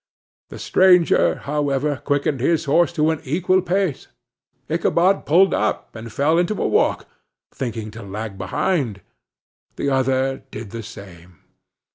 The stranger, however, quickened his horse to an equal pace. Ichabod pulled up, and fell into a walk, thinking to lag behind, the other did the same.